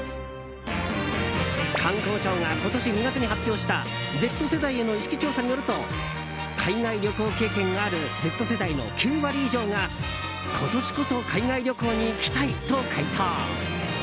観光庁が今年２月に発表したＺ世代への意識調査によると海外旅行経験があるＺ世代の９割以上が今年こそ海外旅行に行きたいと回答。